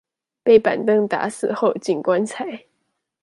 被板凳打死後進棺材